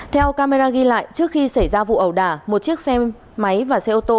theo camera ghi lại trước khi xảy ra vụ ẩu đả một chiếc xe máy và xe ô tô